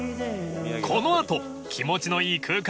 ［このあと気持ちのいい空間